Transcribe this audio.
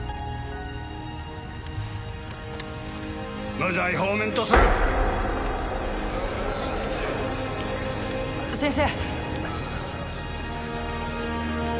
無罪放免とする先生